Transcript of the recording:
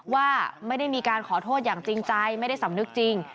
ว่าไม่ได้มีการขอโทษอย่างจริงใจไม่ได้สำนึกจริง